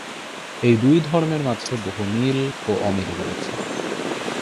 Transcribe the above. এই দুই ধর্মের মাঝে বহু মিল ও অমিল রয়েছে।